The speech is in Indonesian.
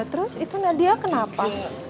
terus itu nadia kenapa